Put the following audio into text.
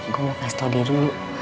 gue mau kasih tau dia dulu